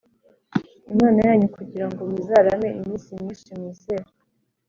Imana yanyu kugira ngo muzarame iminsi myinshi Mwizere